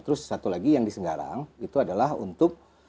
terus satu lagi yang di senggarang itu adalah untuk